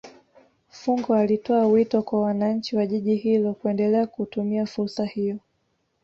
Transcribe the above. Fungo alitoa wito kwa wananchi wa Jiji hilo kuendelea kutumia fursa hiyo